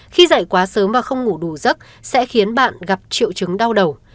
khi dậy quá sớm và không ngủ đủ giấc sẽ khiến bạn gặp triệu chứng đau đầu